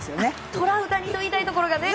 トラウタニと言いたいところがね。